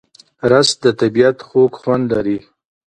رس د طبیعت خوږ خوند لري